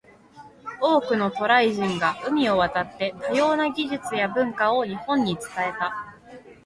多くの渡来人が海を渡って、多様な技術や文化を日本に伝えた。